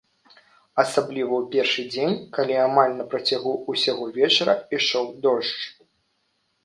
Асабліва ў першы дзень, калі амаль на працягу ўсяго вечара ішоў дождж.